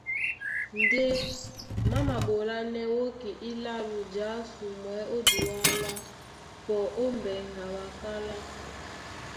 Ndé má maɓolánɛ́ wóki ílálo jǎsumwɛ́ ó Duala, pɔ ó mbɛŋgɛ a ɓakálá.